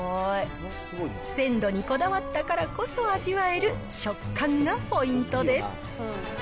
鮮度にこだわったからこそ味わえる食感がポイントです。